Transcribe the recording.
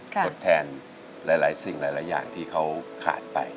ทดแทนหลายสิ่งหลายอย่างที่เขาขาดไป